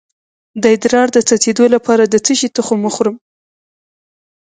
د ادرار د څڅیدو لپاره د څه شي تخم وخورم؟